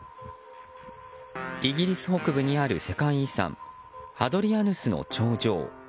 イギリス北部にある世界遺産ハドリアヌスの長城。